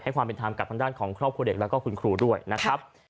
ความเป็นธรรมกับทางด้านของครอบครัวเด็กแล้วก็คุณครูด้วยนะครับ